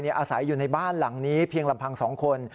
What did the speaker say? อาศัยอยู่ในบ้านหลังนี้เพียงลำพัง๒คน